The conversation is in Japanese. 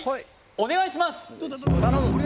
お願いします